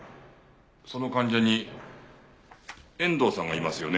その患者に遠藤さんがいますよね？